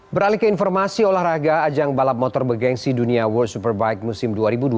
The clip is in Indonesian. beralih ke informasi olahraga ajang balap motor begengsi dunia world superbike musim dua ribu dua puluh